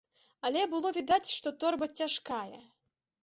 Але было відаць, што торба цяжкая.